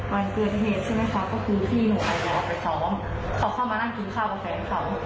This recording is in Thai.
วันเกิดเทศใช่ไหมค่ะก็พูดพี่หนูอ่ะอยู่ออกไปต่อว่าเขาเข้ามานั่งกินข้าวกับแฟนเขา